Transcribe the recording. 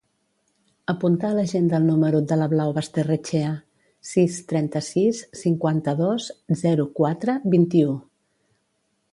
Apunta a l'agenda el número de la Blau Basterrechea: sis, trenta-sis, cinquanta-dos, zero, quatre, vint-i-u.